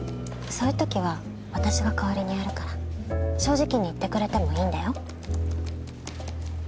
そういうときは私が代わりにやるから正直に言ってくれてもいいんだよ。